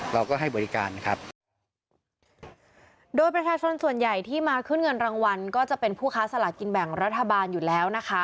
เราก็ให้บริการครับโดยประชาชนส่วนใหญ่ที่มาขึ้นเงินรางวัลก็จะเป็นผู้ค้าสลากินแบ่งรัฐบาลอยู่แล้วนะคะ